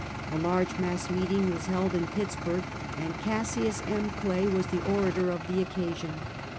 A large mass meeting was held in Pittsburg, and Cassius M. Clay was the orator of the occasion.